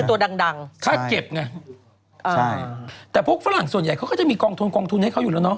นี่คือตัวดังใช่ใช่แต่พวกฝรั่งส่วนใหญ่เขาก็จะมีกองทุนทุนให้เขาอยู่แล้วเนอะ